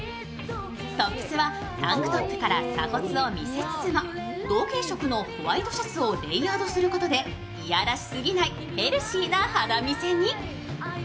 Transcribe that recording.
トップスはタンクトップから鎖骨を見せつつも、同系色のホワイトシャツをレイヤードすることでいやらしすぎないヘルシーな肌見せに。